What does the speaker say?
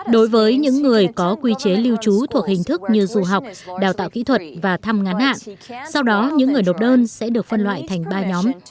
đối với những người có quy chế lưu trú thuộc hình thức như du học đào tạo kỹ thuật và thăm ngắn hạn sau đó những người nộp đơn sẽ được phân loại thành ba nhóm